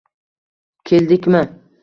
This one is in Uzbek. Keldikmi